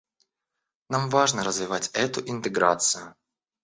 Нам важно развивать эту интеграцию.